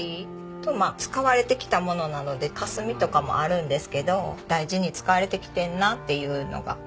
とまあ使われてきた物なのでかすみとかもあるんですけど大事に使われてきてんなっていうのが。